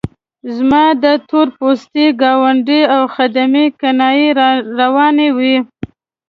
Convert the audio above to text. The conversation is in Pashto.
زما د تور پوستي ګاونډي او خدمې کنایې روانې وې.